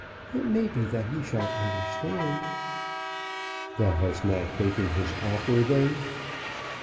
It may be that he shall understand." "Thou hast not taken his offer then?"